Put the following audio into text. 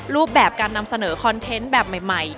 รูปแบบการนำเสนอคอนเทนต์แบบใหม่